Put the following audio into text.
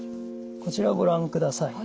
こちらをご覧ください。